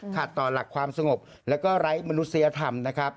ต่อหลักความสงบแล้วก็ไร้มนุษยธรรมนะครับ